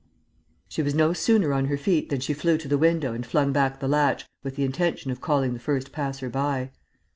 She was no sooner on her feet than she flew to the window and flung back the latch, with the intention of calling the first passer by.